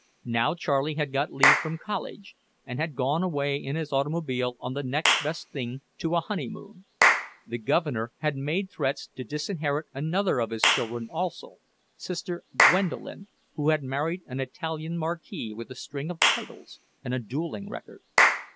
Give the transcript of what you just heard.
Now Charlie had got leave from college, and had gone away in his automobile on the next best thing to a honeymoon. "The guv'ner" had made threats to disinherit another of his children also, sister Gwendolen, who had married an Italian marquis with a string of titles and a dueling record.